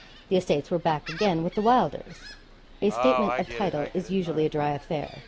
the estates were back again with the Wylders. A 'statement of title' is usually a dry affair.